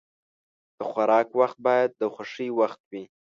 د خوراک وخت باید د خوښۍ وخت وي.